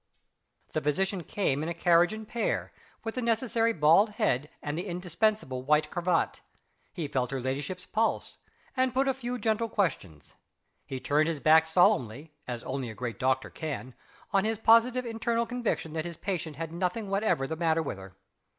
The physician came in a carriage and pair, with the necessary bald head, and the indispensable white cravat. He felt her ladyship's pulse, and put a few gentle questions. He turned his back solemnly, as only a great doctor can, on his own positive internal conviction that his patient had nothing whatever the matter with her.